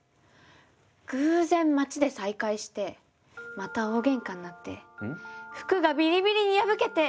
偶然街で再会してまた大げんかになって服がビリビリに破けて。